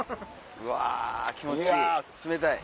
うわ気持ちいい冷たい。